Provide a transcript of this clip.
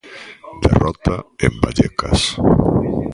Derrota en Vallecas.